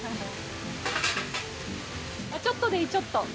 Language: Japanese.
ちょっとでいい、ちょっと。